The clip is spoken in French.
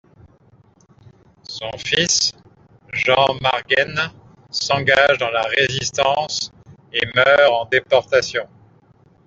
Son fils, Jean Margaine, s'engage dans la Résistance et meurt en déportation.